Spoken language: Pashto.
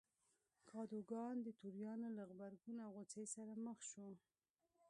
کادوګان د توریانو له غبرګون او غوسې سره مخ شو.